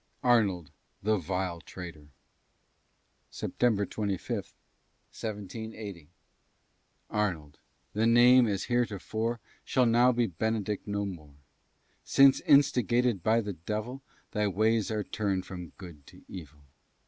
ARNOLD THE VILE TRAITOR [September 25, 1780] Arnold! the name, as heretofore, Shall now be Benedict no more: Since, instigated by the devil, Thy ways are turned from good to evil.